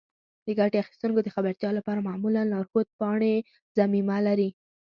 د ګټې اخیستونکو د خبرتیا لپاره معمولا لارښود پاڼې ضمیمه کیږي.